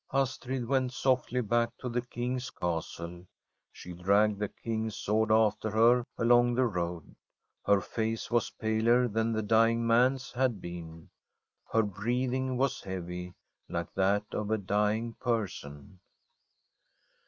Astrid went softly back to the King's Castle. She dragged the King's sword after her along the road. Her face was paler than the dying man's had been. Her breathing was heavy, like that of a dying person.